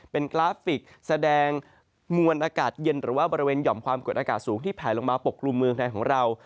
เป็นกราฟิกแสดงมวลอากาศเย็นหรือว่าบริเวณหย่อมความกดอากาศสูงที่แผลลงมาปกกลุ่มเมืองไทยของเรา